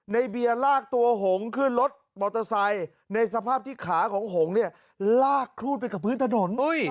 เบียร์ลากตัวหงขึ้นรถมอเตอร์ไซค์ในสภาพที่ขาของหงเนี่ยลากครูดไปกับพื้นถนน